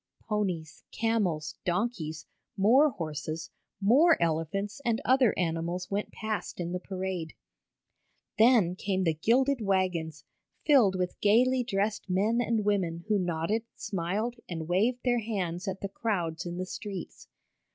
Ponies, camels, donkeys, more horses, more elephants and other animals went past in the parade. Then came the gilded wagons, filled with gaily dressed men and women who nodded, smiled and waved their hands at the crowds in the streets.